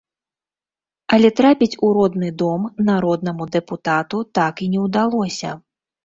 Але трапіць у родны дом народнаму дэпутату так і не ўдалося.